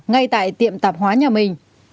ngay tại tiệm tạp hóa nhà mình